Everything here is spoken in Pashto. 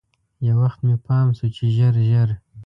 یو وخت مې پام شو چې ژر ژر.